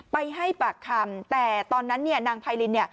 ไปให้บากคำแต่ตอนั้นนางพายลิน